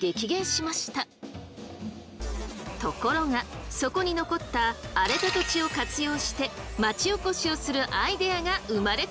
ところがそこに残った荒れた土地を活用して町おこしをするアイデアが生まれたんです。